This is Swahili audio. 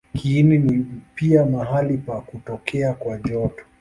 Kiini ni pia mahali pa kutokea kwa joto.